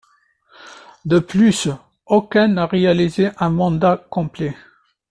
De plus, aucun n'a réalisé un mandat complet.